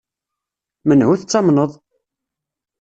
Menhu tettamneḍ?